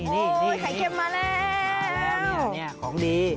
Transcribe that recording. นี่ของดี